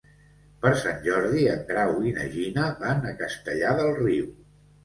Per Sant Jordi en Grau i na Gina van a Castellar del Riu.